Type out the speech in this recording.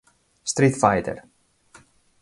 Street Fighter".